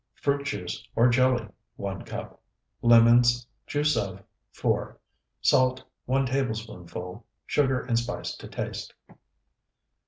Fruit juice or jelly, 1 cup. Lemons, juice of, 4. Salt, 1 tablespoonful. Sugar and spice to taste.